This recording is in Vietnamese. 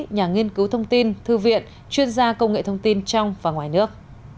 nhà nghiên cứu thông tin thư viện chuyên gia công nghệ thông tin trong và ngoài nước